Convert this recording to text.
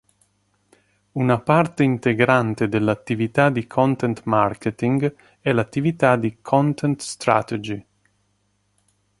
Una parte integrante dell'attività di content marketing è l'attività di "content strategy".